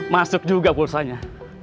masuk juga pulsanya